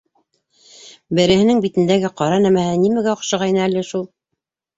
Береһенең битендәге ҡара нәмәһе нимәгә оҡшағайны әле шул?